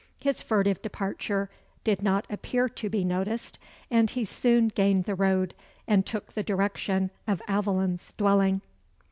His furtive departure did not appear to be noticed, and he soon gained the road, and took the direction of Aveline's dwelling.